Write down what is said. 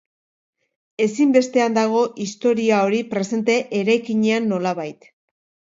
Ezinbestean dago historia hori presente eraikinean nolabait.